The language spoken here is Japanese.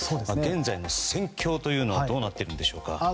現在の戦況はどうなっているんでしょうか。